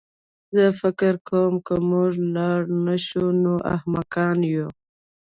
زه فکر کوم که موږ لاړ نه شو نو احمقان یو